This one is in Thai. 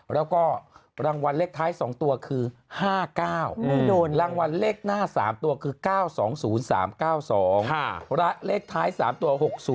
แล้วก็รางวัลเลขท้าย๒ตัวคือ๕๙รางวัลเลขหน้า๓ตัวคือ๙๒๐๓๙๒และเลขท้าย๓ตัว๖๐